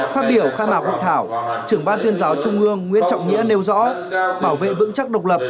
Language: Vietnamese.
phát biểu khai mạc hội thảo trưởng ban tuyên giáo trung ương nguyễn trọng nghĩa nêu rõ bảo vệ vững chắc độc lập